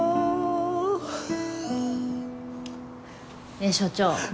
ねえ所長。